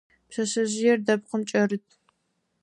Пшъэшъэжъыер дэпкъым кӀэрыт.